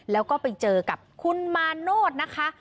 แล้วก็ไปเจอกับคุณมาโนธนะคะ